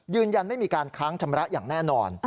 ยืนยันไม่มีการค้างชำระอย่างแน่นอน